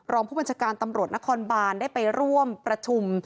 รองผู้บัญชาการตำรวจนครบานได้ไปร่วมประชุม